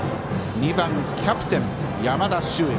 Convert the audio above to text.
２番、キャプテン山田脩也。